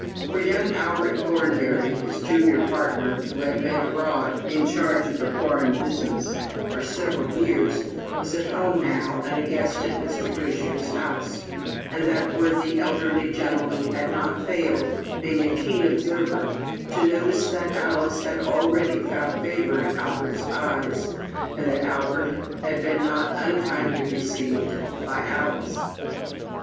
For young Albert Thornbury, his junior partner, who had been abroad in charge of the foreign business for several years, was at home now, and a guest at Mr. Dojere's house, and that worthy elderly gentleman had not failed, being a keen observer, to notice that Alice had already found favor in Albert's eyes, and that Albert had been not unkindly received by Alice.